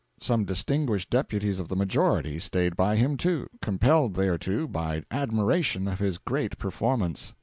Some distinguished deputies of the Majority stayed by him too, compelled thereto by admiration of his great performance.